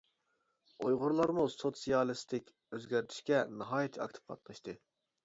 ئۇيغۇرلارمۇ سوتسىيالىستىك ئۆزگەرتىشكە ناھايىتى ئاكتىپ قاتناشتى.